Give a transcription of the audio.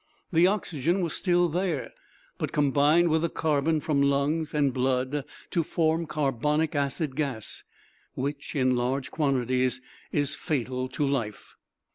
The oxygen was still there, but combined with the carbon from lungs and blood to form carbonic acid gas, which, in large quantities, is fatal to life.